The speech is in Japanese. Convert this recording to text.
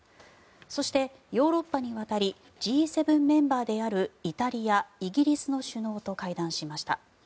そして、ヨーロッパに渡りＧ７メンバーであるイタリア、イギリスの首脳と会談しました。